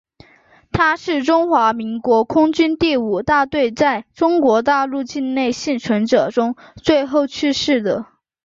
他是中华民国空军第五大队在中国大陆境内幸存者中最后去世的。